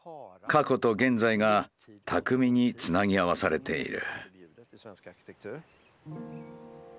過去と現在が巧みにつなぎ合わされている。